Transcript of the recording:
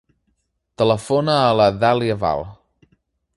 Telefona a la Dàlia Val.